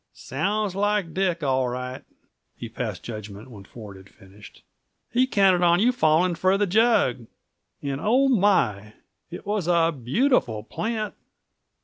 "Sounds like Dick, all right," he passed judgment, when Ford had finished. "He counted on your falling for the jug and oh, my! It was a beautiful plant.